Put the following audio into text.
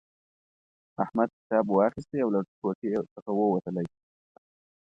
احمد کتاب واخیستی او له کوټې څخه ووتلی.